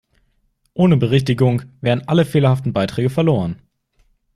Ohne Berichtigung wären alle fehlerhaften Beiträge verloren.